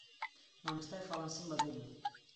مامۆستای فەڕەنسیم بەدڵ بوو.